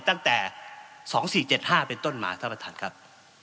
ตั้งแต่๒๔๗๕เป็นต้นมาท่านประธานครับ